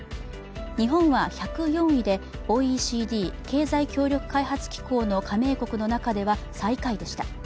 日本は１０４位でＯＥＣＤ＝経済協力開発機構の加盟国の中では最下位でした。